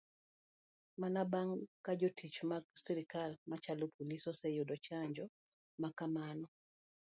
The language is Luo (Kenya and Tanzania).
Mana bang kajotich mag sirikal machalo polise oseyudo chanjo makamano.